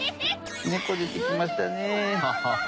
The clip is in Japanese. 猫出てきましたね。